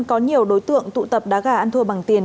có nhiều đối tượng tụ tập đá gà ăn thua bằng tiền